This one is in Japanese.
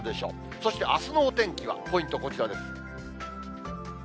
そしてあすのお天気は、ポイント、こちらです。